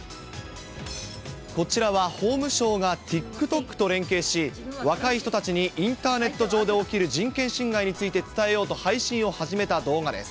こちらは法務省がＴｉｋＴｏｋと連携し、若い人たちにインターネット上で起きる人権侵害について伝えようと配信を始めた動画です。